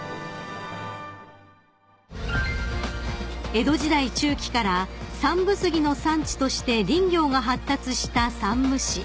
［江戸時代中期から山武杉の産地として林業が発達した山武市］